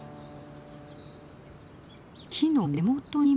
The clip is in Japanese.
木の根元にも。